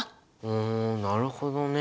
ふんなるほどね。